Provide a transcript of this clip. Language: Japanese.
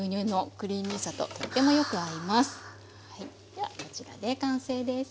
ではこちらで完成です。